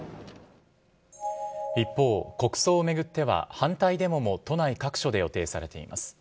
一方、国葬を巡っては、反対デモも都内各所で予定されています。